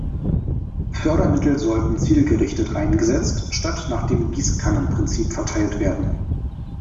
Fördermittel sollten zielgerichtet eingesetzt statt nach dem Gießkannen-Prinzip verteilt werden.